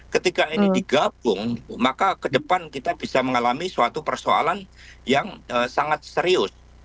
ketika ini digabung maka ke depan kita bisa mengalami suatu persoalan yang sangat serius